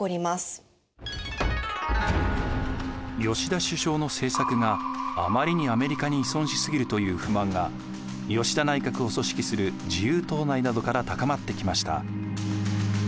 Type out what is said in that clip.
吉田首相の政策があまりにアメリカに依存しすぎるという不満が吉田内閣を組織する自由党内などから高まってきました。